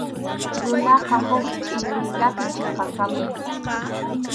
Runaqa huk chʼillmiyllapi chinkarqapun.